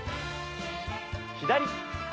左。